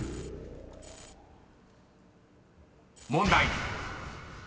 ［問題］